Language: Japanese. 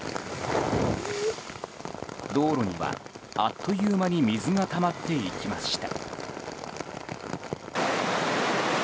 道路には、あっという間に水がたまっていきました。